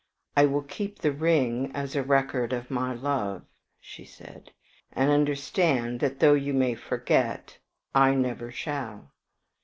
'I will keep the ring as a record of my love,' she said, 'and understand, that though you may forget, I never shall.'